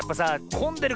こんでる？